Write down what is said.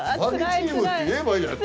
佐々木チームって言えばいいじゃん。